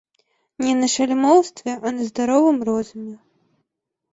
Не на шальмоўстве, а на здаровым розуме.